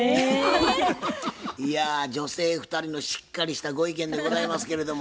いや女性２人のしっかりしたご意見でございますけれども。